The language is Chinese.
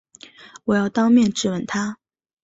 我要当面质问他